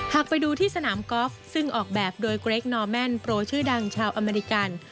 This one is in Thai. หากไปดูที่สนามกอล์ฟซึ่งออกแบบโดยเกรคนอร์แมนโปรชื่อดังชาวอเมริกัน